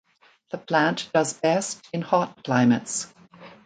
The plant does best in hot climates.